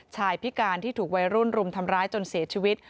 พิการที่ถูกวัยรุ่นรุมทำร้ายจนเสียชีวิต